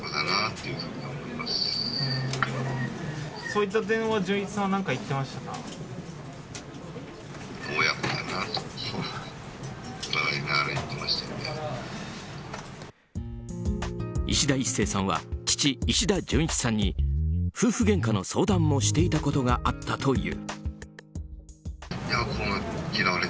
いしだ壱成さんは父・石田純一さんに夫婦げんかの相談もしていたことがあったという。